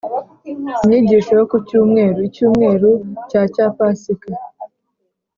inyigisho yo ku cyumweru, icyumweru cya cya pasika